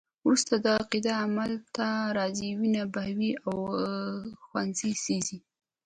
وروسته دا عقیده عمل ته راځي، وینې بهوي او ښوونځي سیزي.